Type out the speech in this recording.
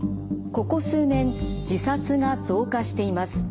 ここ数年自殺が増加しています。